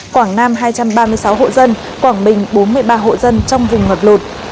quảng nam hai trăm ba mươi sáu hộ dân quảng bình bốn mươi ba hộ dân trong vùng ngập lụt